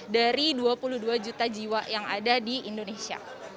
dari dua puluh dua juta jiwa yang ada di indonesia